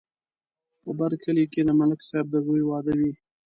په بر کلي کې د ملک صاحب د زوی واده دی.